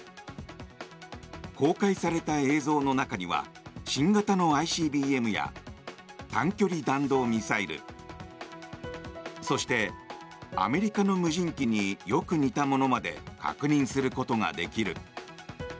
公開された映像の中には新型のＩＣＢＭや短距離弾道ミサイルそして、アメリカの無人機によく似たものまで確認することができる。